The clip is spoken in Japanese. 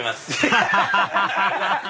ハハハハ！